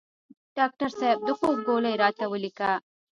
ډاکټر صیب د خوب ګولۍ راته ولیکه